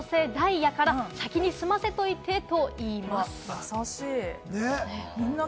優しい。